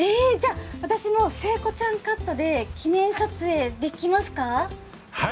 私も聖子ちゃんカットで記念撮影できますか？